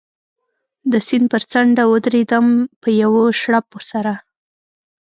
د سیند پر څنډه و درېدم، په یوه شړپ سره.